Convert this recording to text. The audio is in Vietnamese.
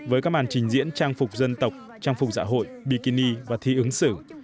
với các màn trình diễn trang phục dân tộc trang phục dạ hội bikini và thi ứng xử